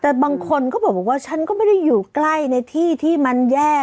แต่บางคนก็บอกว่าฉันก็ไม่ได้อยู่ใกล้ในที่ที่มันแย่